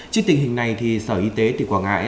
trước tình hình này sở y tế tỉnh quảng ngãi